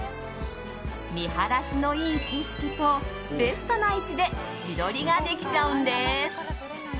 見晴らしのいい景色とベストな位置で自撮りができちゃうんです。